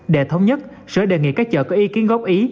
để thống nhất sở đề nghị các chợ có ý kiến góp ý